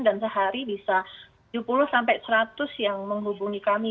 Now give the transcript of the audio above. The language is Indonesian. dan sehari bisa tujuh puluh seratus yang menghubungi kami